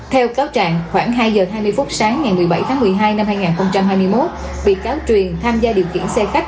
theo cáo trạng khoảng hai giờ hai mươi phút sáng ngày một mươi bảy tháng một mươi hai năm hai nghìn hai mươi một bị cáo truyền tham gia điều khiển xe khách